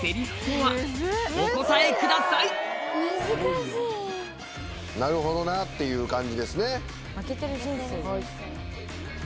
・難しい・なるほどなっていう感じですね。